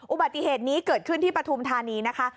อุบัติเหตุนี้เกิดขึ้นที่ปฐุมธานีนะคะ